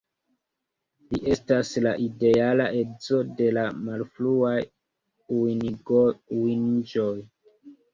Li estas la ideala edzo de la malfruaj unuiĝoj.